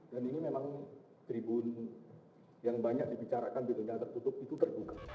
dan ini memang tribun yang banyak dibicarakan pintunya tertutup itu terbuka